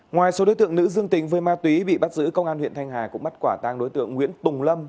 ngoài số đối tượng nữ dương tính với ma túy bị bắt giữ công an huyện thanh hà cũng bắt quả tang đối tượng nguyễn tùng lâm